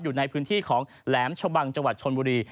อยู่ในพื้นที่ของแหลมชะบังจังหวัดชนบุรี